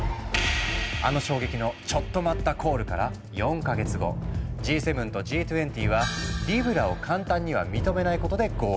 あの衝撃のチョット待ったコールから４か月後Ｇ７とＧ２０はリブラを簡単には認めないことで合意。